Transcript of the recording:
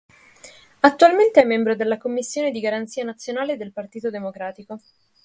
Attualmente è membro della commissione di garanzia nazionale del Partito Democratico.